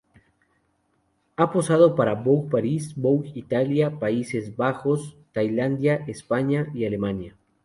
Ha posado para "Vogue Paris", "Vogue Italia", "Países Bajos", "Tailandia", "España", y "Alemania".